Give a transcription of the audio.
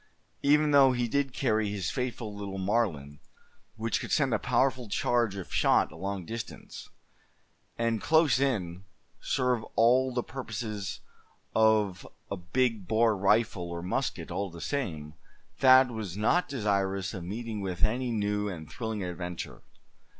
Even though he did carry his faithful little Marlin, which could send a powerful charge of shot a long distance; and close in, serve all the purposes of a big bore rifle, or musket, all the same, Thad was not desirous of meeting with any new and thrilling adventure.